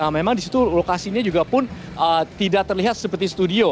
memang di situ lokasinya juga pun tidak terlihat seperti studio